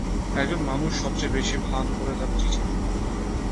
একজন মানুষ সবচেয়ে বেশি ভান করে তার চিঠিতে।